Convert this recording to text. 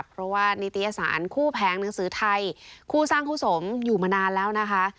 เพราะว่านิตยสารคู่แผงหนังสือไทยคู่สร้างคู่สมอยู่มานานแล้วนะคะ